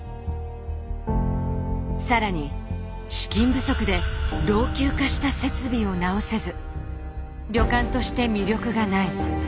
更に資金不足で老朽化した設備を直せず旅館として魅力がない。